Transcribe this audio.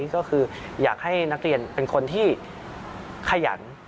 ก็คืออยากให้นักเรียนเป็นคนที่ขยัน